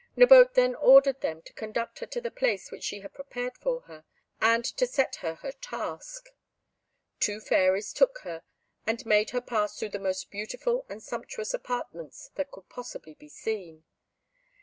Nabote then ordered them to conduct her to the place which she had prepared for her, and to set her her task. Two fairies took her and made her pass through the most beautiful and sumptuous apartments that could possibly be seen.